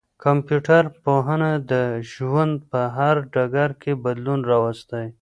کمپيوټر پوهنه د ژوند په هر ډګر کي بدلون راوستی.